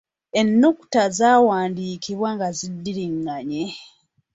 Ennukuta zaawandiikibwa nga ziddiringanye.